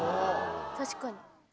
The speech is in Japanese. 確かに。